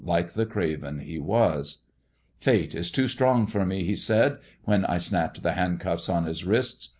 like tho craven he was, " Fate in too strong for me," lie said, when I snaiipgi handcuffs on his wrists.